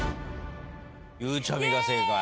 ゆうちゃみが正解。